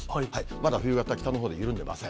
まだ冬型、北のほうで緩んでいません。